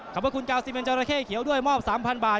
ขอบคุณคุณเก่า๑๑จราเข้เขียวด้วยมอบ๓๐๐๐บาท